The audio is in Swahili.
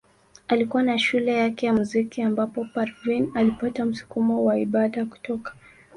Alikuwa na shule yake ya muziki ambapo Parveen alipata msukumo wa ibada kutoka.